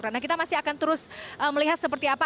nah kita masih akan terus melihat seperti apa